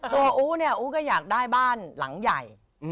ตัวอุ๊ก็อยากได้บ้านหลังใหญ่